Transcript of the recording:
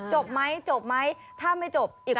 จบไม่จบไม่ถ้าไม่จบอีกรอบ